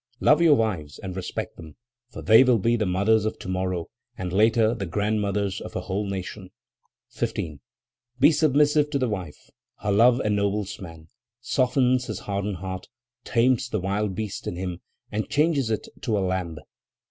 "Love your wives and respect them, for they will be the mothers of tomorrow and later the grandmothers of a whole nation. 15. "Be submissive to the wife; her love ennobles man, softens his hardened heart, tames the wild beast in him and changes it to a lamb.